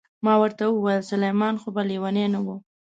ما ورته وویل: سلمان خو به لیونی نه و؟